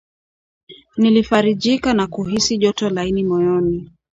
Nilifarijika na kuhisi joto laini moyoni